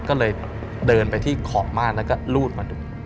ก็เลยเดินไปที่ขอบม่านแล้วก็รูดมาดู